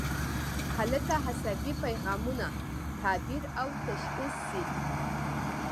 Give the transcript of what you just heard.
هلته عصبي پیغامونه تعبیر او تشخیص شي.